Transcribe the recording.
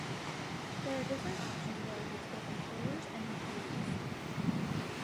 There are different options available to both employers and employees.